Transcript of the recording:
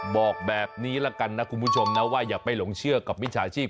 บอกแบบนี้ละกันนะคุณผู้ชมนะว่าอย่าไปหลงเชื่อกับมิจฉาชีพ